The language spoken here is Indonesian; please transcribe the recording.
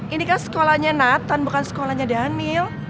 ini kan sekolahnya nathan bukan sekolahnya daniel